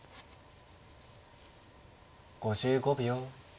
５５秒。